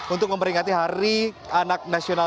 untuk memperingati hari anak nasional